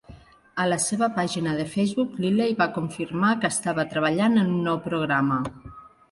A la seva pàgina de Facebook, Lilley va confirmar que estava treballant en un nou programa.